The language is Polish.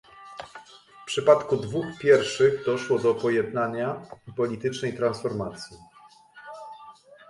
W przypadku dwóch pierwszych doszło do pojednania i politycznej transformacji